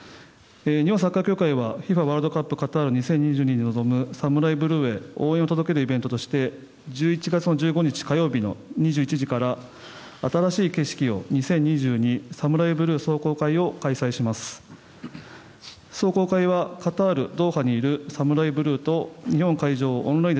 日本サッカー協会はＦＩＦＡワールドカップカタール２０２２に臨むサムライブルーへ応援を届けるイベントとして１１月１５日火曜日２１時から新しい景色を２０２２サムライ